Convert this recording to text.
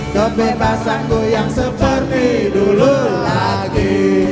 kebebasanku yang seperti dulu lagi